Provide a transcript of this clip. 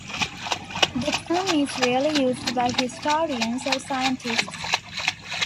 The term is rarely used by historians or scientists.